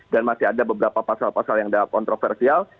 dan masih ada beberapa pasal pasal yang kontroversial